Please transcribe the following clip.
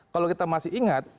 kalau kita masih ingat